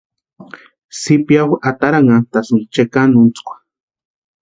Zipiaju ataranhantʼasïni chekanuntskwa.